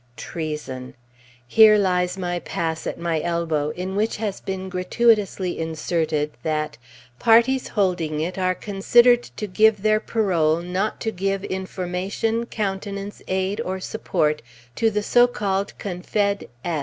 Treason! Here lies my pass at my elbow, in which has been gratuitously inserted that "Parties holding it are considered to give their parole not to give information, countenance, aid, or support to the so called Confed.